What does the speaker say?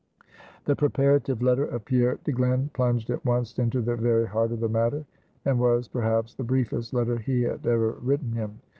The preparative letter of Pierre to Glen, plunged at once into the very heart of the matter, and was perhaps the briefest letter he had ever written him.